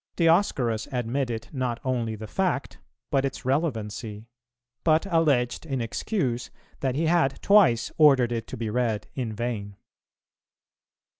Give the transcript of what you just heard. Dioscorus admitted not only the fact, but its relevancy; but alleged in excuse that he had twice ordered it to be read in vain.